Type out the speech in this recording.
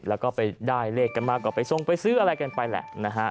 แล้วก็ไปได้เลขกันมากกว่าไปซ่งไปซื้ออะไรกันไปแหละ